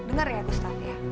dengar ya gustaf ya